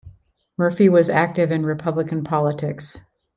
Murphy was active in Republican politics.